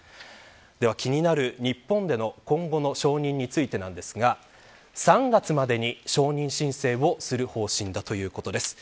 では気になる日本での今後の承認についてですが３月までに承認申請をする方針ということです。